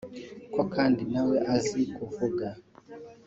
ko kandi nawe azi kuvuga